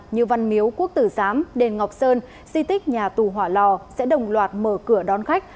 như văn miếu quốc tử giám đền ngọc sơn di tích nhà tù hỏa lò sẽ đồng loạt mở cửa đón khách